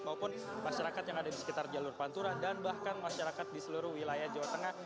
maupun masyarakat yang ada di sekitar jalur pantura dan bahkan masyarakat di seluruh wilayah jawa tengah